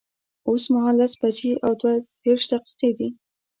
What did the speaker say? اوس مهال لس بجي او دوه دیرش دقیقی دی